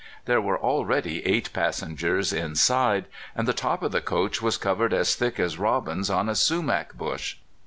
There were already eight passengers inside, and the top of the coach was covered as thick as robins on a sumac bush.